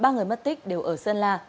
ba người mất tích đều ở sơn la